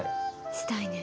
したいね。